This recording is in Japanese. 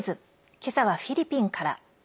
今朝はフィリピンから。